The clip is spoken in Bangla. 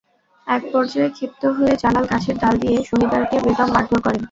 একপর্যায়ে ক্ষিপ্ত হয়ে জালাল গাছের ডাল দিয়ে সহিদারকে বেদম মারধর করেন।